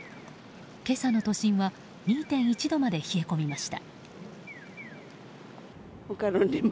今朝の都心は２．１度まで冷え込みました。